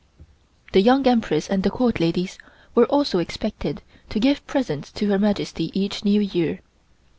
The Young Empress and the Court ladies were also expected to give presents to Her Majesty each New Year.